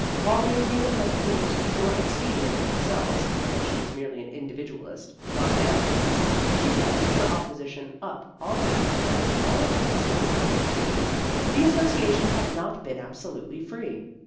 While maintaining that the rules were expedient in themselves (as she was merely an individualist, not an anarchist), she focussed her opposition up on the fact that in drawing up its own constitution the Association had not been absolutely free.